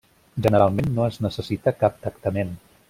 Generalment no es necessita cap tractament.